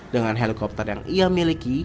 dengan helikopter yang ia miliki